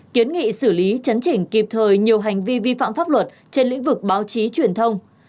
kiến nghị xử lý chấn chỉnh kịp thời nhiều hành vi vi phạm pháp luật trên lĩnh vực báo chí truyền thông